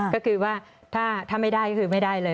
ก็คือว่าถ้าไม่ได้ก็คือไม่ได้เลย